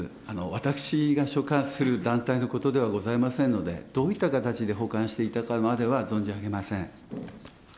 私が所管する団体のことではございませんので、どういった形で保管していたかまでは存じ上げません。